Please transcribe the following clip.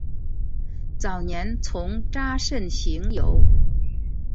早年从查慎行游。